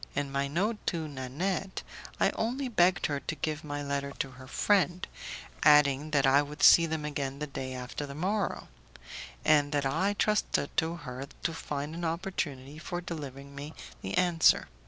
In my note to Nanette, I only begged her to give my letter to her friend, adding that I would see them again the day after the morrow, and that I trusted to her to find an opportunity for delivering me the answer.